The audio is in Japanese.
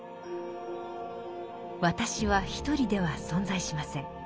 「私」は一人では存在しません。